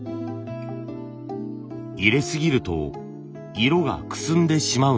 入れすぎると色がくすんでしまうのです。